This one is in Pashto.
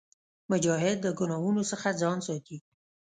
مجاهد د ګناهونو څخه ځان ساتي.